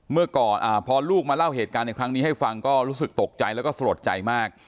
พอลูกมาเล่าเหตุการณ์ในครั้งนี้ให้ฟังก็รู้สึกตกใจแล้วก็สลดใจมาก